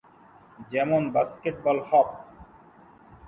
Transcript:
যেমন basketball hop.